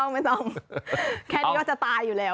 ไม่ต้องแค่นี้ก็จะตายอยู่แล้ว